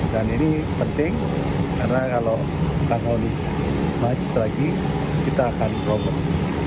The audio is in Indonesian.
dan ini penting karena kalau akan maju lagi kita akan promosi